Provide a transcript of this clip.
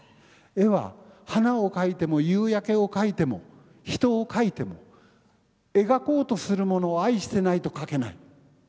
絵は花を描いても夕焼けを描いても人を描いても描こうとするものを愛してないと描けない。